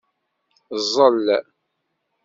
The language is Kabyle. Ẓẓel.